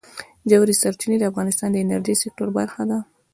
ژورې سرچینې د افغانستان د انرژۍ سکتور برخه ده.